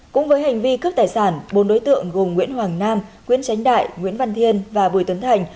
cũng với hành vi cướp tài sản bốn đối tượng gồm nguyễn hoàng nam nguyễn tránh đại nguyễn văn thiên và bùi tuấn thành